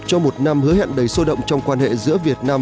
cho một năm hứa hẹn đầy sôi động trong quan hệ giữa việt nam